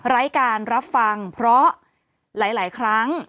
รายการรับฟังเพราะหลายครั้ง